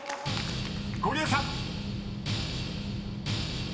［ゴリエさん］